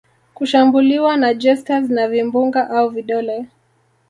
kushambuliwa na jesters na vimbunga au vidole